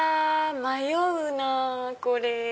迷うなぁこれ。